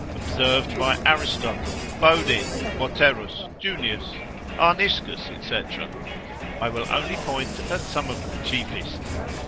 observed by Aristotle, Bodin, Boterus, Junius, Arniscus, &c. I will only point at some of chiefest.